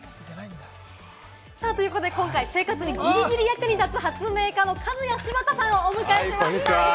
今回、生活にギリギリ役に立つ発明家のカズヤシバタさんをお迎えしました！